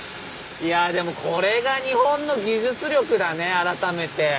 いやでもこれが日本の技術力だね改めて。